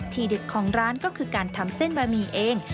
ดึกของร้านก็คือการทำเส้นบะหมี่เอง